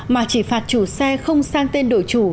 mà chỉ phạt chủ xe không sang tên đổi chủ